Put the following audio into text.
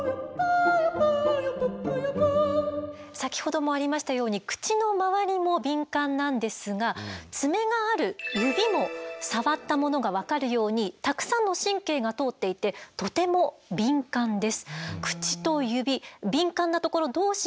先ほどもありましたように口の周りも敏感なんですが爪がある指も触ったものが分かるようにたくさんの神経が通っていてとても敏感です。